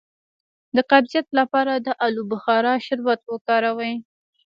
د قبضیت لپاره د الو بخارا شربت وکاروئ